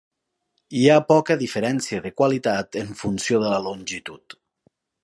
Hi ha poca diferència de qualitat en funció de la longitud.